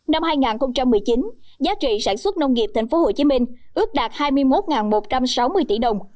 năm hai nghìn một mươi chín giá trị sản xuất nông nghiệp tp hcm ước đạt hai ba về sản lượng